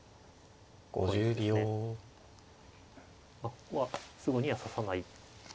ここはすぐには指さないか。